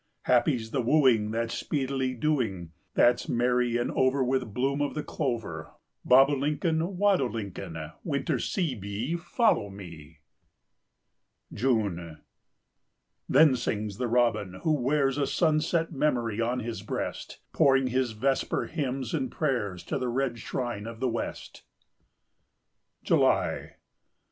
Happy's the wooing that's speedily doing, That's merry and over with bloom of the clover, Bobolincoln, Wadolincoln, Winterseebee, follow me." June. "Then sings the Robin, he who wears A sunset memory on his breast, Pouring his vesper hymns and prayers To the red shrine of the West." July.